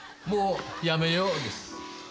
「もうやめよう？」です。